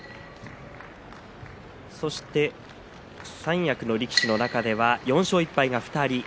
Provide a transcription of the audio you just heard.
そして新三役の力士の中では４勝１敗が２人です。